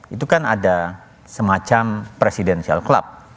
itu kan ada semacam presidential club